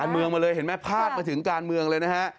เมืองมาเลยเห็นไหมพาดมาถึงการเมืองเลยนะฮะ